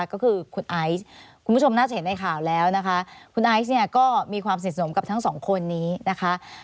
ก็คือคุณไอซ์คุณผู้ชมน่าจะเห็นในข่าวแล้วนะคะคุณไอซ์เนี่ยก็มีความสนิทสนมกับทั้งสองคนนี้นะคะ